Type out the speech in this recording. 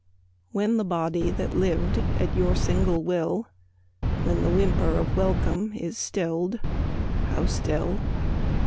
When the body that lived at your single will When the whimper of welcome is stilled (how still!)